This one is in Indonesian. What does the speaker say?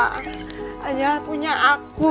hanya punya aku